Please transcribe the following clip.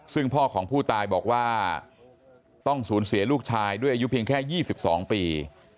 ซึ่งพ่อของผู้ตายบอกว่าต้องสูญเสียลูกชายด้วยอายุเพียงแค่๒๒ปี